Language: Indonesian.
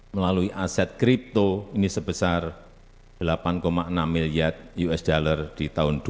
melalui aset kripto ini sebesar delapan enam miliar usd di tahun dua ribu dua